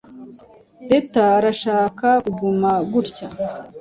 Beata arashaka kuguma gutya.